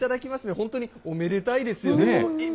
本当におめでたいですよね。